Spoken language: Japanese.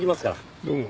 どうも。